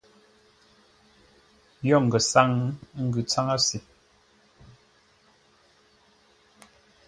Yo ngəsáŋ ə́ ngʉ̌ tsáŋə́ se.